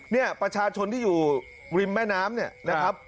เนี่ยประชาชนที่อยู่ริมแม่น้ำเนี่ยนะครับ